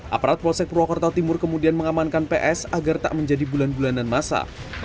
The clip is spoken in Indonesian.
aparat polsek purwokerto timur kemudian mengamankan ps agar tak menjadi bulan bulanan masa